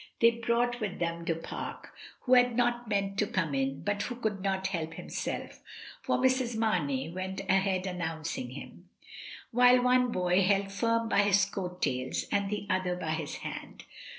They brought with them Du Pare, who had not meant to come in, but who could not help himself, for Mrs. Mamey went ahead an nouncing him, while one boy held firm by his coat tails, and the other by his hand.